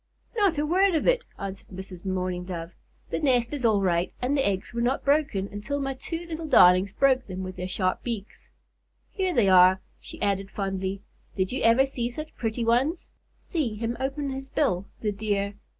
"Not a word of it," answered Mrs. Mourning Dove. "The nest is all right, and the eggs were not broken until my two little darlings broke them with their sharp beaks." "Here they are," she added, fondly. "Did you ever see such pretty ones? See him open his bill, the dear!